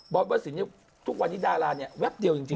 พระสินทุกวันนี้ดาราเนี่ยแวบเดียวจริง